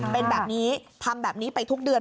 เป็นแบบนี้ทำแบบนี้ไปทุกเดือน